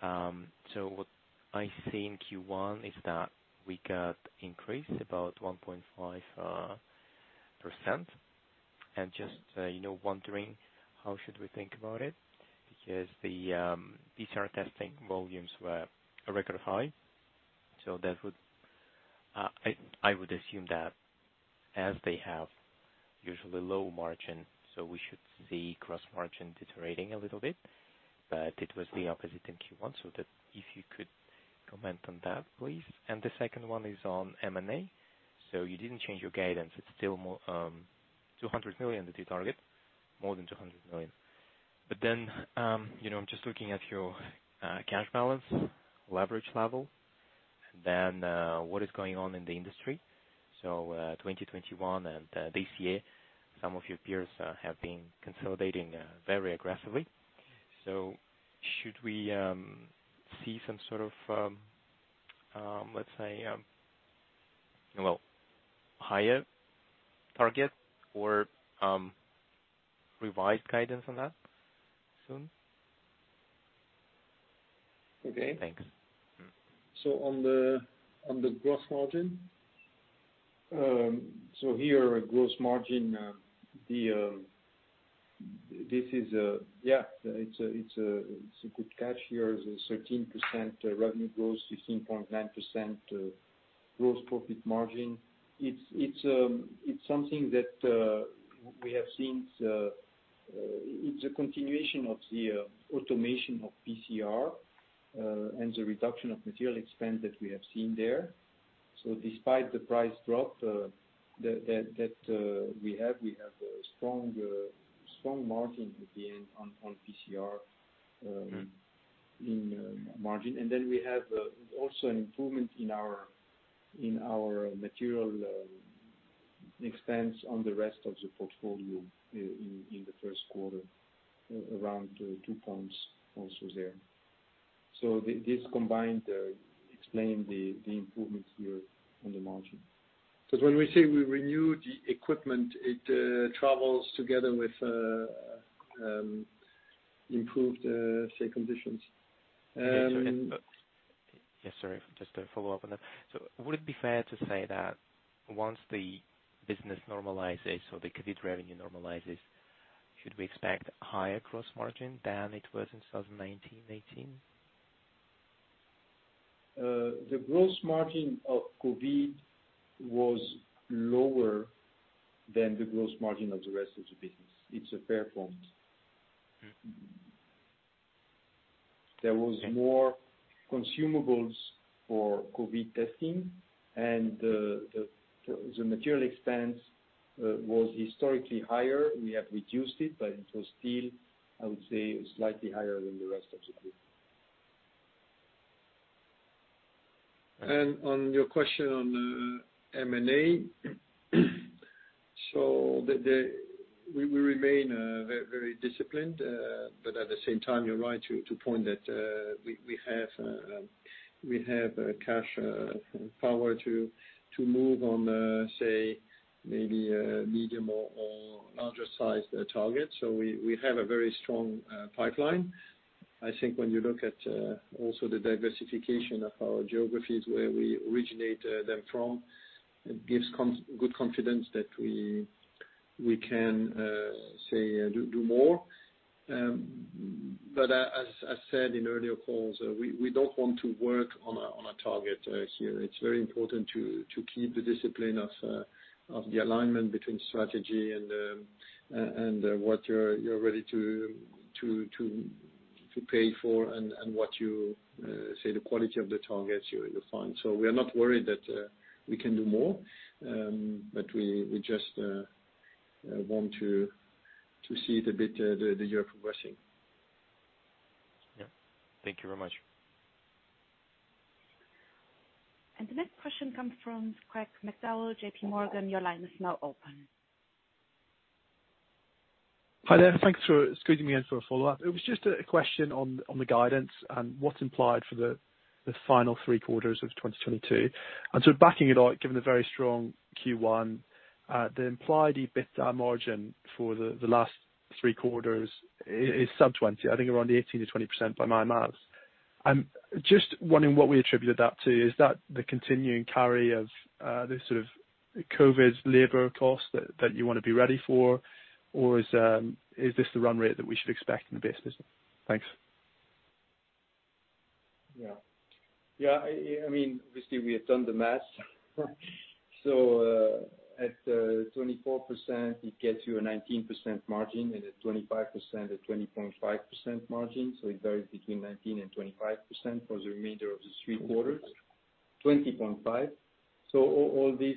Speaker 10: What I see in Q1 is that we got increase about 1.5%. Just you know wondering how should we think about it? Because the PCR testing volumes were a record high, I would assume that as they have usually low margin, so we should see gross margin deteriorating a little bit. But it was the opposite in Q1, so that if you could comment on that, please. The second one is on M&A. You didn't change your guidance. It's still more 200 million is your target, more than 200 million. You know, just looking at your cash balance, leverage level, then what is going on in the industry. 2021 and this year, some of your peers have been consolidating very aggressively. Should we see some sort of, let's say, well, higher target or revised guidance on that soon?
Speaker 3: Okay.
Speaker 10: Thanks.
Speaker 3: On the gross margin. Here, gross margin, this is a good catch. Here is 13% revenue growth, 15.9% gross profit margin. It's something that we have seen. It's a continuation of the automation of PCR and the reduction of material expense that we have seen there. Despite the price drop that we have a strong margin at the end on PCR.
Speaker 10: Mm-hmm...
Speaker 3: in margin. Then we have also an improvement in our material expense on the rest of the portfolio in the first quarter, around 2 points also there. This combined explain the improvements here on the margin. 'Cause when we say we renew the equipment, it travels together with improved say conditions.
Speaker 10: Yes, sir. Yes, sorry. Just to follow up on that. Would it be fair to say that once the business normalizes or the COVID revenue normalizes, should we expect higher gross margin than it was in 2019, 2018?
Speaker 3: The gross margin of COVID was lower than the gross margin of the rest of the business. It's a fair point.
Speaker 10: Mm-hmm.
Speaker 3: There was more consumables for COVID testing and the material expense was historically higher. We have reduced it, but it was still, I would say, slightly higher than the rest of the group. On your question on M&A, we remain very disciplined, but at the same time, you're right to point that we have cash power to move on, say, maybe a medium or larger sized target. We have a very strong pipeline. I think when you look at also the diversification of our geographies where we originate them from, it gives good confidence that we can say do more. As said in earlier calls, we don't want to work on a target here. It's very important to keep the discipline of the alignment between strategy and what you're ready to pay for and what you see the quality of the targets you find. We are not worried that we can do more, but we just want to see it a bit the year progressing.
Speaker 10: Yeah. Thank you very much.
Speaker 1: The next question comes from Craig McDowell, JPMorgan. Your line is now open.
Speaker 6: Hi there. Thanks for squeezing me in for a follow-up. It was just a question on the guidance and what's implied for the final three quarters of 2022. Backing it out, given the very strong Q1, the implied EBITDA margin for the last three quarters is sub 20%. I think around 18%-20% by my maths. I'm just wondering what we attribute that to. Is that the continuing carry of this sort of COVID labor cost that you wanna be ready for? Or is this the run rate that we should expect in the base business? Thanks.
Speaker 3: I mean, obviously we have done the math. At 24% it gets you a 19% margin, and at 25%, a 20.5% margin. It varies between 19% and 25% for the remainder of the three quarters. 20.5%. All this,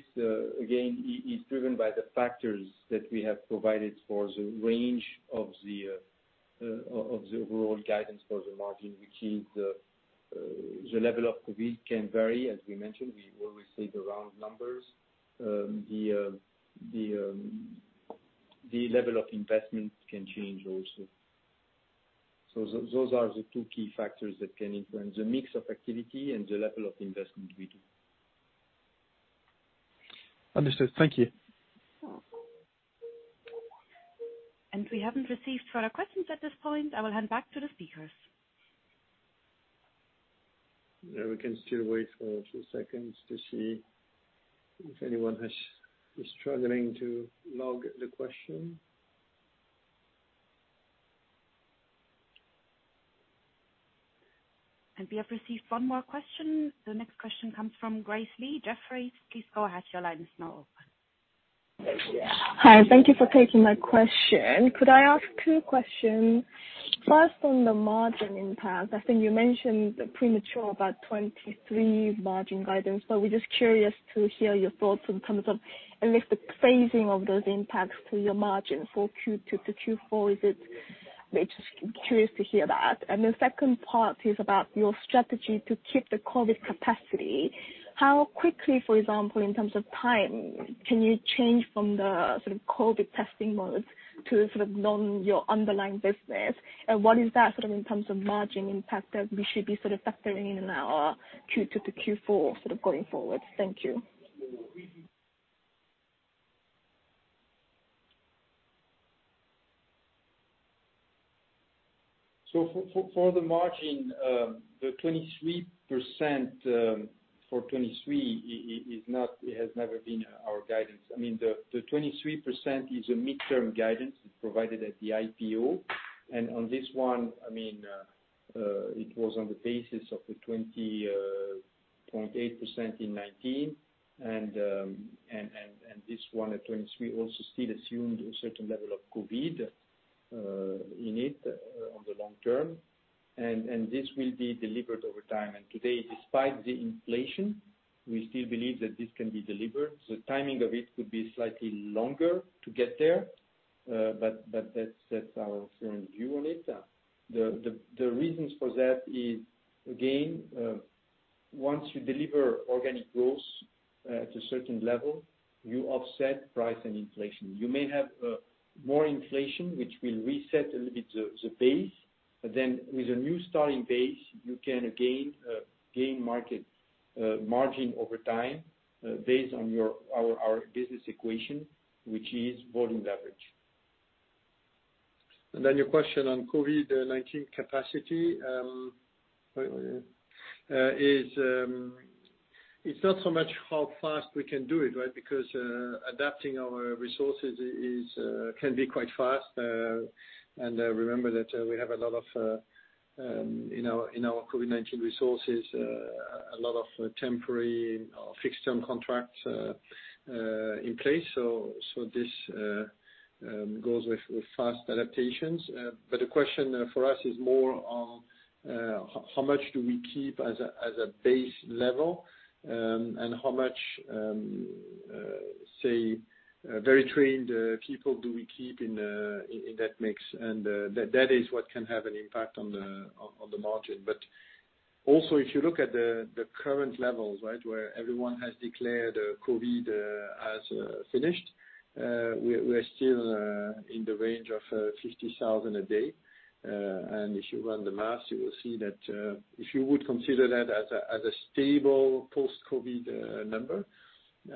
Speaker 3: again, is driven by the factors that we have provided for the range of the overall guidance for the margin, which is, the level of COVID can vary, as we mentioned. We always say the round numbers. The level of investment can change also. Those are the two key factors that can influence. The mix of activity and the level of investment we do.
Speaker 6: Understood. Thank you.
Speaker 1: We haven't received further questions at this point. I will hand back to the speakers.
Speaker 3: Yeah, we can still wait for a few seconds to see if anyone is struggling to log the question.
Speaker 1: We have received one more question. The next question comes from Grace Lee, Jefferies. Please go ahead, your line is now open.
Speaker 11: Hi, thank you for taking my question. Could I ask two questions? First, on the margin impact. I think you mentioned preliminary about 2023 margin guidance, but we're just curious to hear your thoughts in terms of at least the phasing of those impacts to your margin for Q2 to Q4. We're just curious to hear that. The second part is about your strategy to keep the COVID capacity. How quickly, for example, in terms of time, can you change from the sort of COVID testing mode to sort of your underlying business? And what is that sort of in terms of margin impact that we should be sort of factoring in in our Q2 to Q4 sort of going forward? Thank you.
Speaker 3: For the margin, the 23%, for 23 is not. It has never been our guidance. I mean, the 23% is a midterm guidance provided at the IPO. On this one, I mean, it was on the basis of the 20.8% in 2019. This one at 23 also still assumed a certain level of COVID in it on the long term. This will be delivered over time. Today, despite the inflation, we still believe that this can be delivered. The timing of it could be slightly longer to get there, but that's our current view on it. The reasons for that is, again, once you deliver organic growth to a certain level, you offset price and inflation. You may have more inflation, which will reset a little bit the base. Then with a new starting base, you can gain margin over time based on our business equation, which is volume leverage. Then your question on COVID-19 capacity, it's not so much how fast we can do it, right? Because adapting our resources can be quite fast. Remember that we have a lot of temporary or fixed-term contracts in our COVID-19 resources in place. This goes with fast adaptations. The question for us is more on how much do we keep as a base level, and how much say very trained people do we keep in that mix. That is what can have an impact on the margin. If you look at the current levels, right, where everyone has declared COVID as finished, we're still in the range of 50,000 a day. If you run the math, you will see that if you would consider that as a stable post-COVID number,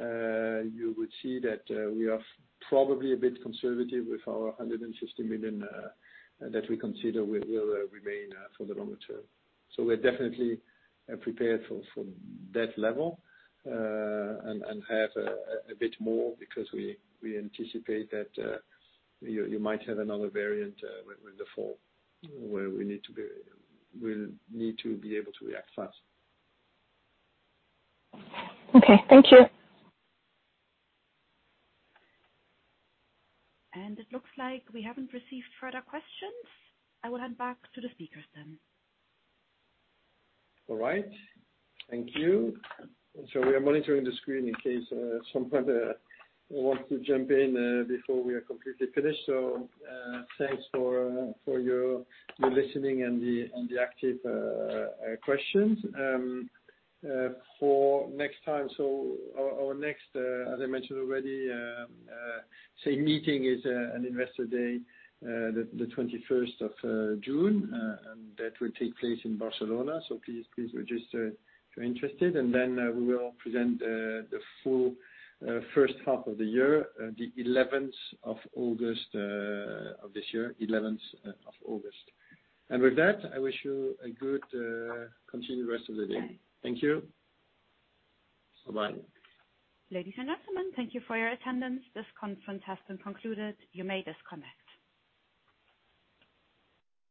Speaker 3: you would see that we are probably a bit conservative with our 160 million that we consider will remain for the longer term. We're definitely prepared for that level, and have a bit more because we anticipate that you might have another variant with the fall, where we'll need to be able to react fast.
Speaker 11: Okay. Thank you.
Speaker 1: It looks like we haven't received further questions. I will hand back to the speakers then.
Speaker 3: All right. Thank you. We are monitoring the screen in case someone wants to jump in before we are completely finished. Thanks for your listening and the active questions. For next time. Our next, as I mentioned already, is an investor day, the 21st of June. That will take place in Barcelona. Please register if you're interested. Then we will present the full first half of the year, the 11th of August of this year. 11th of August. With that, I wish you a good continued rest of the day. Thank you. Bye-bye.
Speaker 1: Ladies and gentlemen, thank you for your attendance. This conference has been concluded. You may disconnect.